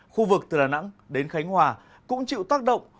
khu vực từ đà nẵng đến khánh hòa cũng chịu tác động